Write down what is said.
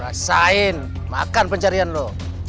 rasain makan pencarian lo